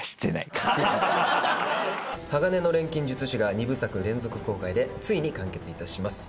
『鋼の錬金術師』が２部作連続公開でついに完結いたします。